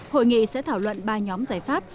hội nghị sẽ thảo luận ba nhóm giải pháp